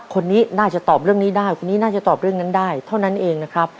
คนนี้น่าจะตอบเรื่องนี้ได้คนนี้น่าจะตอบเรื่องนั้นได้เท่านั้นเองนะครับ